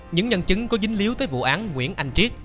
những nhân chứng có dính líu tới vụ án nguyễn anh triết